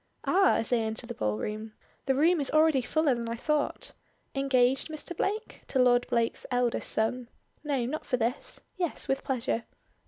Ah!" as they enter the ballroom. "The room is already fuller than I thought. Engaged, Mr. Blake?" to Lord Blake's eldest son. "No, not for this. Yes, with pleasure."